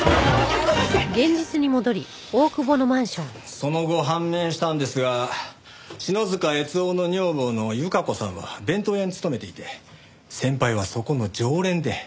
その後判明したんですが篠塚悦雄の女房の由香子さんは弁当屋に勤めていて先輩はそこの常連で。